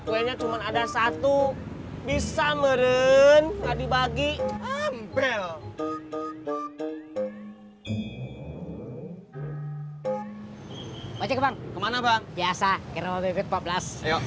kuenya cuman ada satu bisa meren tadi bagi ambil kemana bang biasa kira kira empat belas ayo